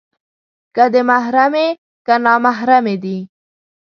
که دې محرمې، که نامحرمې دي